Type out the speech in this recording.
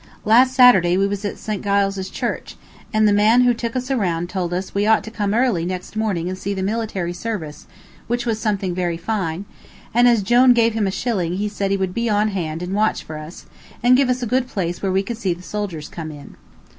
Last Saturday we was at St. Giles's Church, and the man who took us around told us we ought to come early next morning and see the military service, which was something very fine; and as Jone gave him a shilling he said he would be on hand and watch for us, and give us a good place where we could see the soldiers come in.